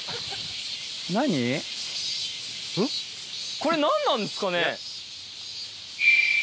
これ何なんですかね。